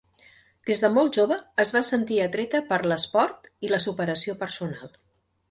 Des de molt jove es va sentir atreta per l'esport i la superació personal.